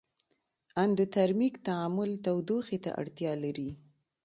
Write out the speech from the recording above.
اندوترمیک تعامل تودوخې ته اړتیا لري.